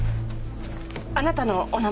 あなたのお名前は？